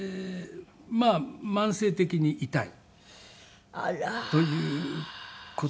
まあ慢性的に痛いという事がありますね。